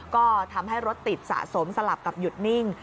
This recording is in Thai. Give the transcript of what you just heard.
ก็ทำให้รถติดสะสมสลับกับหยุดนิ่ง